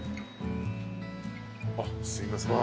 あっすいません。